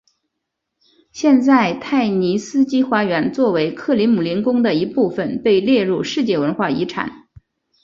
现在泰尼斯基花园作为克里姆林宫的一部分被列入世界文化遗产。